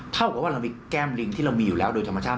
เท่ากับว่าเรามีแก้มลิงที่เรามีอยู่แล้วโดยธรรมชาติ